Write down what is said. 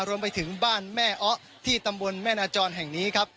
รวมไปถึงบ้านแม่อ้อที่ตำบลแม่นาจรแห่งนี้ครับ